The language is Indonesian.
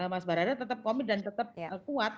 mas barada tetap komit dan tetap kuat